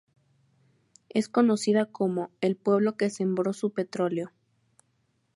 Es conocida como "El Pueblo que sembró su Petróleo".